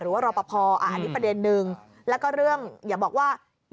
รอปภอันนี้ประเด็นนึงแล้วก็เรื่องอย่าบอกว่า